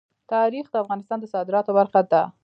تاریخ د افغانستان د صادراتو برخه ده.